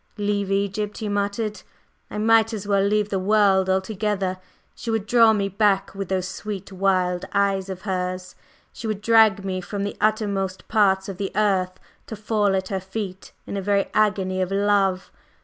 "Leave Egypt!" he muttered, "I might as well leave the world altogether! She would draw me back with those sweet wild eyes of hers, she would drag me from the uttermost parts of the earth to fall at her feet in a very agony of love.